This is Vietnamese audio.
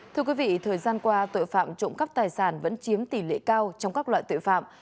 thưa quý vị thời gian qua tội phạm trộm cắp tài sản vẫn chiếm tỷ lệ cao trong các loại tội phạm